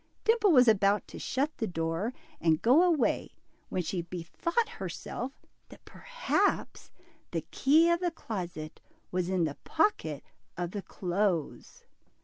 Dimple was about to shut the door and go away, when she bethought herself that perhaps the key of the closet was in the pocket of the clothes.